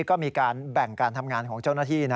ก็มีการแบ่งการทำงานของเจ้าหน้าที่